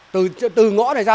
từ ngõ này ra